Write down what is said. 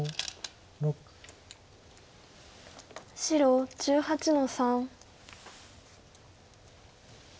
白１８の三。